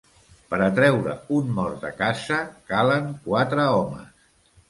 Per a treure un mort de casa, calen quatre homes.